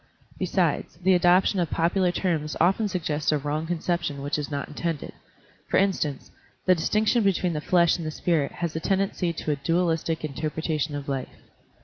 Besides, the adoption of popular terms often suggests a wrong conception which is not intended;^ for instance, the distinction between the flesh and the spirit has a tendency to a dualistic interpretation of life.